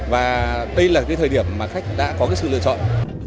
và đây là thời điểm khách đã có sự lựa chọn